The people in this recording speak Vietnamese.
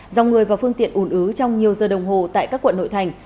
dòng người và phương tiện ủn ứ trong nhiều giờ đồng hồ tại các quận nội thành